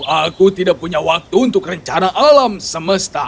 aku tidak punya waktu untuk rencana alam semesta